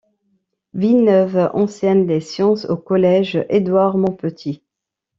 Villeneuve enseigne les sciences au Collège Édouard-Montpetit.